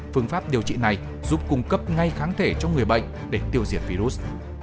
phương pháp điều trị này giúp cung cấp ngay kháng thể cho người bệnh để tiêu diệt virus